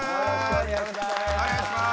よろしくお願いします。